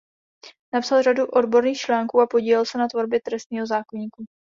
Napsal řadu odborných článků a podílel se na tvorbě trestního zákoníku.